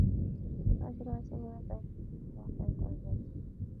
Adlai asks the two-eyed Leela out, which causes Fry to exhibit signs of jealousy.